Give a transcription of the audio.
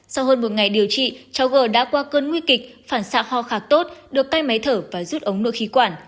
sau hơn một ngày điều trị cháu gờ đã qua cơn nguy kịch phản xạ ho khạc tốt được tay máy thở và rút ống nội khí quản